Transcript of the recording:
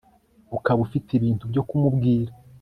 ukaba ufite ibintu byo kumubwira